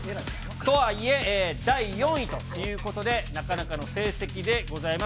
とはいえ、第４位ということで、なかなかの成績でございます。